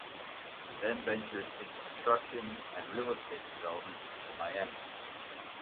He then ventured into construction and real estate development in Miami.